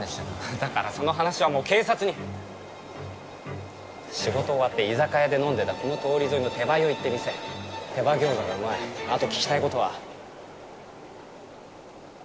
だからその話はもう警察に仕事終わって居酒屋で飲んでたこの通り沿いの手羽酔いって店手羽餃子がうまいあと聞きたいことは？